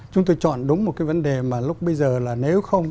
chúng tôi chọn đúng một cái vấn đề mà lúc bây giờ là nếu không